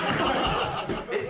えっ？